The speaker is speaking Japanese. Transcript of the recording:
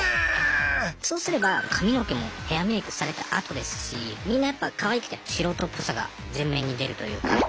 そうすれば髪の毛もヘアメイクされたあとですしみんなやっぱかわいくて素人っぽさが前面に出るというか。